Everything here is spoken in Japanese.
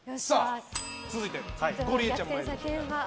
続いて、ゴリエちゃん参りましょう。